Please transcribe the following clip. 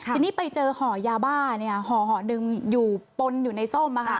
ทีนี้ไปเจอห่อยาบ้าห่อหนึ่งอยู่ปนอยู่ในส้ม